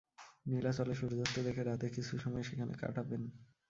নীলাচলে সূর্যাস্ত দেখে রাতে কিছু সময় সেখানে কাটাবেন।